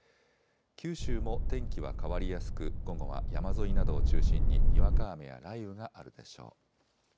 九州も天気は変わりやすく午後は山沿いなどを中心ににわか雨や雷雨があるでしょう。